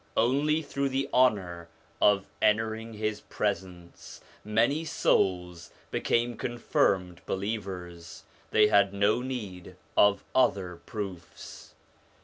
Only through the honour of entering his presence, many souls became confirmed believers ; they had no need of other proofs.